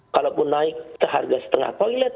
kalaupun naik ke harga setengah toilet